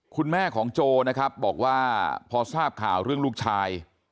คุณแม่ของโจนะครับบอกว่าพอทราบข่าวเรื่องลูกชาย